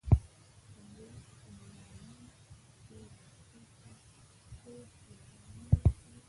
یومیلانین چې ویښتو ته تور تیاره رنګ ورکوي.